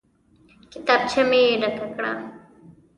کتابچه مې ډکه کړه.